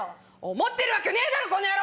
思ってるわけねえだろコノヤロ！